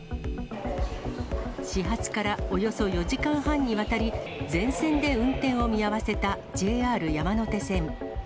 始発からおよそ４時間半にわたり、全線で運転を見合わせたＪＲ山手線。